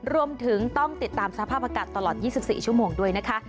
รวมถึงต้องติดตามสภาพอากาศตลอด๒๔ชั่วโมงด้วยนะคะ